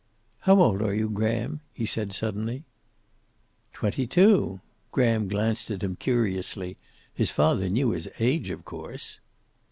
"How old are you, Graham?" he said suddenly. "Twenty two." Graham glanced at him curiously. His father knew his age, of course.